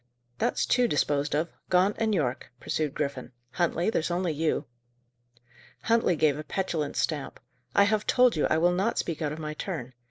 "That's two disposed of, Gaunt and Yorke," pursued Griffin. "Huntley, there's only you." Huntley gave a petulant stamp. "I have told you I will not speak out of my turn.